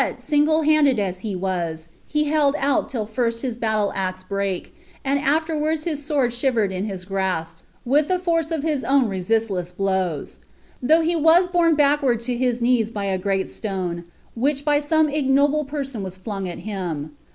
single handed as lie was, he held out till lirsl his baitle Hxe hrake^ am) afterwards his sword shivered in his grasp, with the force nf his owa resistless Mows ; though he wss borne backward to his knees by a grAl stone, which by some ignoble person was flung at him.